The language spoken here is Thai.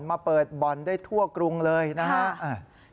มาเปิดบอลได้ทั่วกรุงเลยนะฮะ